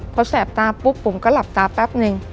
พอแสบตาปุ๊บผมก็หลับตาแป๊บนึง